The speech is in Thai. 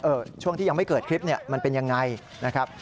ช่วงที่ยังไม่เกิดคลิปเนี่ยมันเป็นยังไงนะครับ